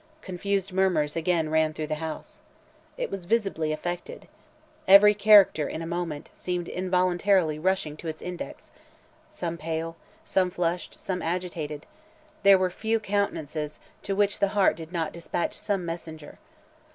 "Confused murmurs again ran through the House. It was visibly affected. Every character, in a moment, seemed involuntarily rushing to its index—some pale, some flushed, some agitated—there were few countenances to which the heart did not despatch some messenger.